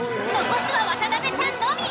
残すは渡辺さんのみ！